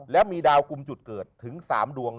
แล้วมีดาวกลุ่มจุดเกิดถึง๓ดวง